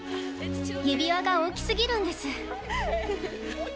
指輪が大きすぎるんです。